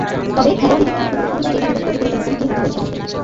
তবে, খেলোয়াড়ী জীবনের শুরুরদিকে তাকে বেশ প্রতিকূলতার মুখোমুখি হতে হয়েছিল।